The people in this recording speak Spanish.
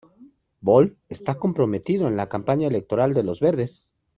Böll está comprometido en la campaña electoral de los Verdes.